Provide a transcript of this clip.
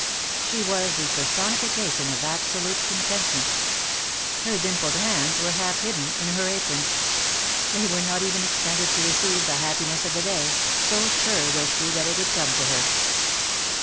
She was the personification of absolute contentment; her dimpled hands were half hidden in her apron ; they were not even extended to receive the happiness of the day, so sure was she that it would come to her.